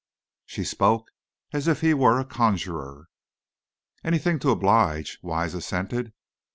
She spoke as if he were a conjurer. "Anything to oblige," Wise assented.